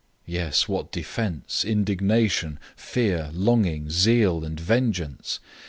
Yes, what defense, indignation, fear, longing, zeal, and vengeance!